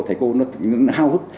thầy cô nó hao hức